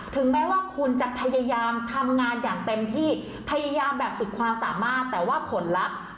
ถึงแม้ว่าคุณจะพยายามทำงานอย่างเต็มที่พยายามแบบสุดความสามารถแต่ว่าผลลัพธ์